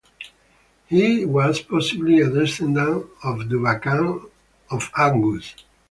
He was possibly a descendant of Dubacan of Angus.